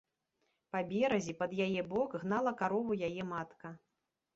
Па беразе, пад яе бок, гнала карову яе матка.